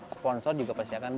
sponsor juga pasti akan